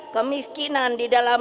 kemiskinan di dalam